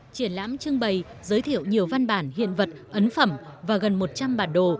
triển lãm trưng bày giới thiệu nhiều văn bản hiện vật ấn phẩm và gần một trăm linh bản đồ